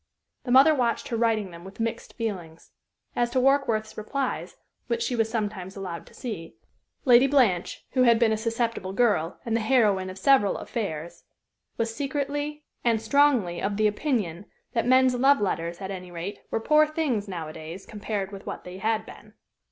The mother watched her writing them with mixed feelings. As to Warkworth's replies, which she was sometimes allowed to see, Lady Blanche, who had been a susceptible girl, and the heroine of several "affairs," was secretly and strongly of opinion that men's love letters, at any rate, were poor things nowadays, compared with what they had been.